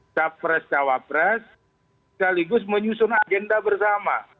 capres cawapres sekaligus menyusun agenda bersama